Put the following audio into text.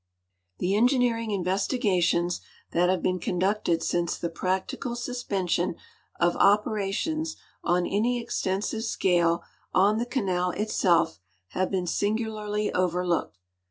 The engineering investigations that liavc been conducted since the ])ractical susj)ension of operations on any extensive scale on the canal itself have been singularly overlooked.